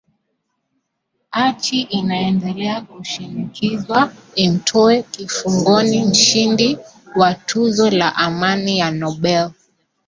archi inaendelea kushinikizwa imtoe kifungoni mshindi wa tuzo la amani ya nobel